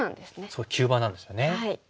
そう急場なんですよね。